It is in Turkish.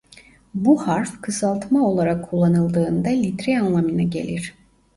Bu harf kısaltma olarak kullanıldığında litre anlamına gelir.